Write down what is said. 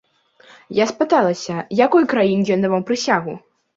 Я спыталася, якой краіне ён даваў прысягу?